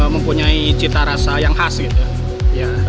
mempunyai cita rasa yang khas gitu ya